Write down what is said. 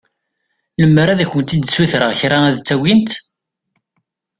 Lemmer ad kent-ssutreɣ kra ad tagimt?